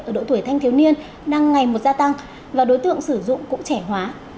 ở độ tuổi thanh thiếu niên đang ngày một gia tăng và đối tượng sử dụng cũng trẻ hóa